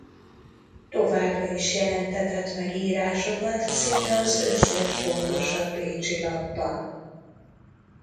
Továbbra is jelentetett meg írásokat szinte az összes fontosabb bécsi lapban.